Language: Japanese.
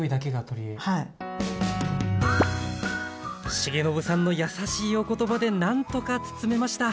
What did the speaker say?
重信さんの優しいお言葉で何とか包めました。